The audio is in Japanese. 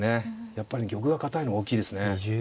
やっぱり玉が堅いのが大きいですね。